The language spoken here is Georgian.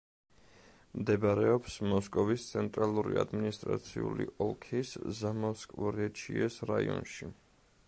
მდებარეობს მოსკოვის ცენტრალური ადმინისტრაციული ოლქის ზამოსკვორეჩიეს რაიონში.